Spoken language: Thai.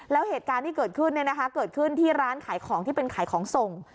แล้วเหตุการณ์ที่เกิดขึ้นเกิดขึ้นที่ร้านขายของที่เป็นขายของส่ง